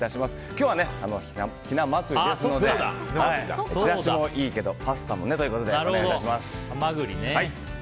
今日はひな祭りですのでちらしもいいけどパスタもねということでお願いします。